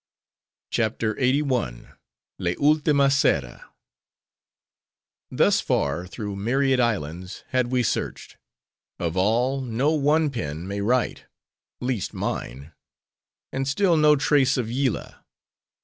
CHAPTER LXXXI. L'ultima Sera Thus far, through myriad islands, had we searched: of all, no one pen may write: least, mine;—and still no trace of Yillah.